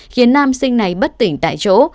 khiến nam sinh này bất tỉnh tại chỗ